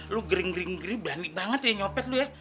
lu gering geri geri berani banget ya nyopet lu ya